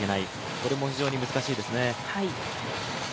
これも非常に難しいですね。